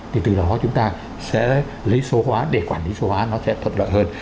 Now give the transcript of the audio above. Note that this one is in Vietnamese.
thì từ đó chúng ta sẽ lấy số hóa để quản lý số hóa nó sẽ thuận lợi hơn